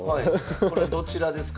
これどちらですか？